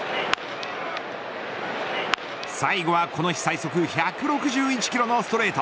最後はこの日最速１６１キロのストレート。